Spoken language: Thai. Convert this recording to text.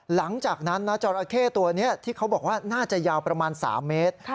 หลังจากนั้นนะจราเข้ตัวนี้ที่เขาบอกว่าน่าจะยาวประมาณ๓เมตร